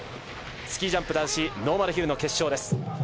スキージャンプ男子ノーマルヒルの決勝です。